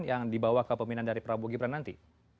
yang dibawa ke peminat dari prabowo gipre nanti